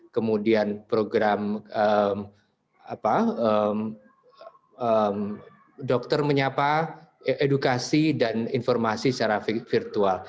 kemudian program dokter menyapa edukasi dan informasi secara virtual